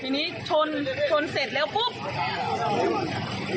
ที่นี้ชนเสร็จแล้วเนี่ยปุ๊บ